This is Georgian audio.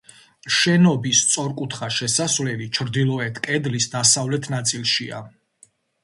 შენობის სწორკუთხა შესასვლელი ჩრდილოეთ კედლის დასავლეთ ნაწილშია.